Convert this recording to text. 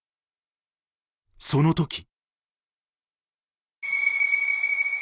その時。